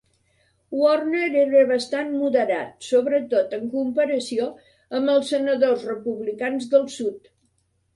Warner era bastant moderat, sobretot en comparació amb els senadors republicans del sud.